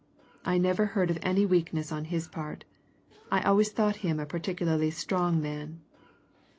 I never heard of any weakness on his part I always thought him a particularly strong man."